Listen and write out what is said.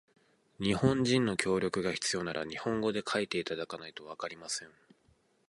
日本人の協力が必要なら、日本語で書いていただかないとわかりません。